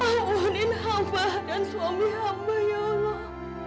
ampunin hamba dan suami hamba ya allah